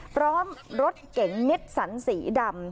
พร้อมรถเก๋งนิสสันสีดำ